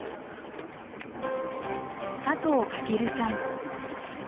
佐藤翔さん。